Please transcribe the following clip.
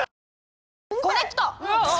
コネクト！